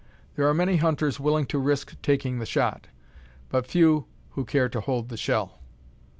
There are many hunters willing to risk taking the shot, but few who care to hold the shell.